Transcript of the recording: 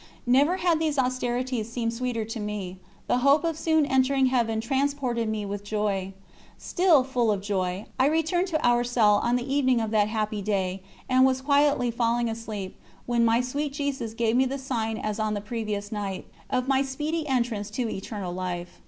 Never had these austerities seemed sweeter to me; the hope of soon entering Heaven transported me with joy. Still full of joy, I returned to our cell on the evening of that happy day, and was quietly falling asleep, when my sweet Jesus gave me the same sign as on the previous night, of my speedy entrance to Eternal Life.